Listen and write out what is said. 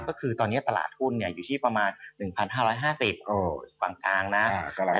ก็คือตอนนี้ตลาดทุนอยู่ที่ประมาณ๑๕๕๐บาทตอนนี้ส่วนนี้นะ